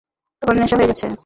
তোমার নেশা হয়ে গেছে।